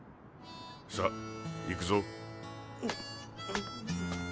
さ行くぞ。